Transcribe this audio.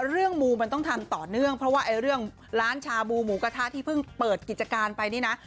มูมันต้องทำต่อเนื่องเพราะว่าเรื่องร้านชาบูหมูกระทะที่เพิ่งเปิดกิจการไปนี่นะ